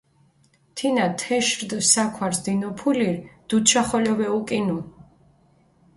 თინა თეშ რდჷ საქვარს დინოფულირი, დუდშა ხოლო ვეუკინუ.